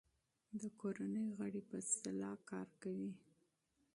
د کورنۍ غړي په مشوره کار کوي.